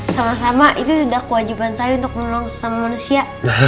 sama sama itu sudah kewajiban saya untuk menolong sama manusia